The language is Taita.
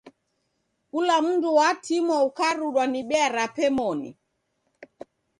Kula mundu watimwa ukarudwa ni bea rape moni.